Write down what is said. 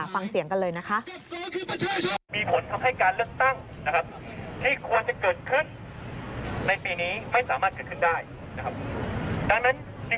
ฟังเสียงกันเลยนะคะ